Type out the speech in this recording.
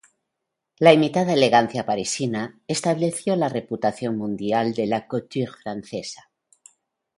La imitada elegancia parisina estableció la reputación mundial de la "couture" francesa.